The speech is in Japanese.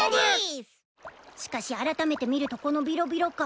しかしあらためて見るとこのびろびろ感。